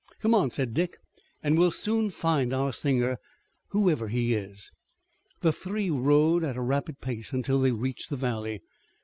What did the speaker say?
"Come on," said Dick, "and we'll soon find our singer, whoever he is." The three rode at a rapid pace until they reached the valley.